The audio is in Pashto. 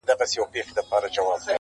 ما ورکتل چي د مرګي پياله یې ونوشله.!